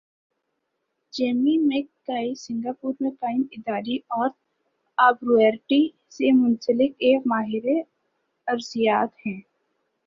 Jamie مک کائی Singapore میں قائم اداری ارتھ آبرو یٹری سی منسلک ایک ماہر ارضیات ہیں۔